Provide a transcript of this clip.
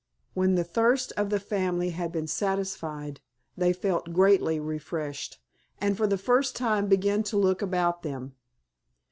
When the thirst of the family had been satisfied they felt greatly refreshed, and for the first time began to look about them.